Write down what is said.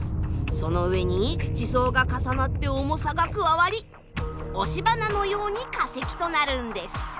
その上に地層が重なって重さが加わり押し花のように化石となるんです。